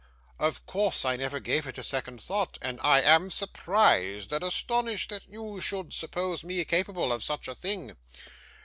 Of course, I never gave it a second thought, and I am surprised and astonished that you should suppose me capable of such a thing.